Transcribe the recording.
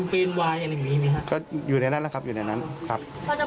ปอล์กับโรเบิร์ตหน่อยไหมครับ